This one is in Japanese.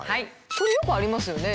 これよくありますよね